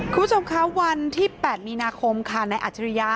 คุณผู้ชมคะวันที่๘มีนาคมค่ะนายอัจฉริยะ